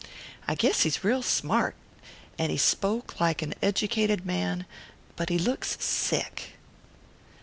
I guess he's real smart, and he spoke quite like an educated man but he looks sick."